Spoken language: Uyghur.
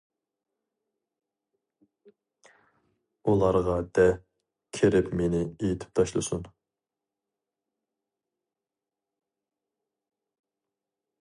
ئۇلارغا دە، كىرىپ مېنى ئېتىپ تاشلىسۇن.